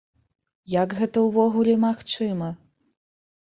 Як гэта ўвогуле магчыма?